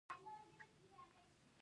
هغه نیمګړتیاوې ماته را یادې کړې.